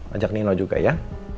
ajak nino juga ya